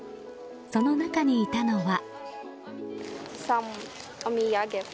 その中にいたのは。